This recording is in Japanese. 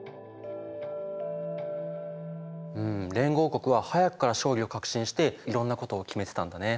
連合国は早くから勝利を確信していろんなことを決めてたんだね。